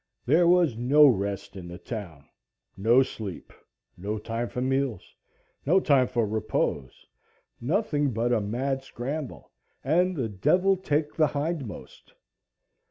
There was no rest in the town no sleep no time for meals no time for repose nothing but a mad scramble and the devil take the hindmost.